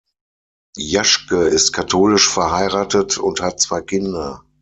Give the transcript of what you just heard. Jaschke ist katholisch, verheiratet und hat zwei Kinder.